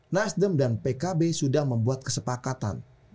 nasdem dan pkb sudah membuat kesepakatan